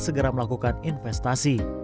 dan segera melakukan investasi